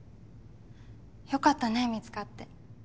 良かったね見つかって。